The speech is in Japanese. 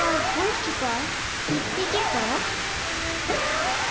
１匹か？］